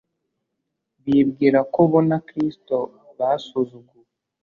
bibwira ko bo na Kristo basuzuguwe.